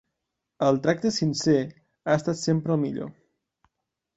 El tracte sincer ha estat sempre el millor.